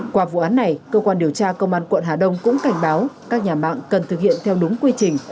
qua vụ án này cơ quan điều tra công an quận hà đông cũng cảnh báo các nhà mạng cần thực hiện theo đúng quy trình